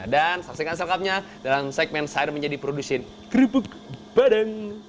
dan saksikan sengkapnya dalam segmen seir menjadi produksi kerupuk padang